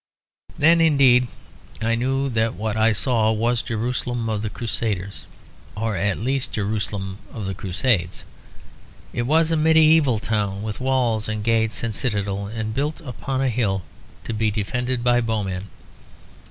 Then indeed I knew that what I saw was Jerusalem of the Crusaders; or at least Jerusalem of the Crusades. It was a medieval town, with walls and gates and a citadel, and built upon a hill to be defended by bowmen.